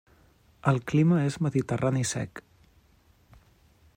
El clima és mediterrani sec.